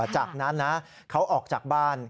จากนั้นนะเขาออกจากบ้าน